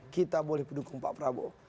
kita boleh pendukung pak prabowo